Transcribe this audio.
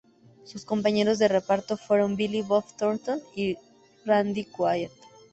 Sus compañeros de reparto fueron Billy Bob Thornton y Randy Quaid.